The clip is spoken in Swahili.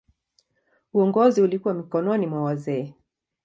Uongozi ulikuwa mikononi mwa wazee.